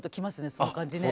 その感じね。